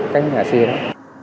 các nhà xe đó